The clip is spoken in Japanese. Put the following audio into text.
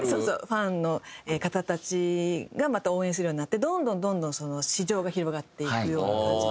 ファンの方たちがまた応援するようになってどんどんどんどんその市場が広がっていくような感じで。